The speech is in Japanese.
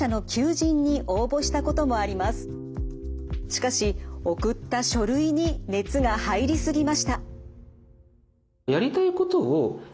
しかし送った書類に熱が入り過ぎました。